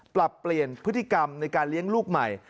ปรับเปลี่ยนพฤติกรรมในการเลี้ยงลูกใหม่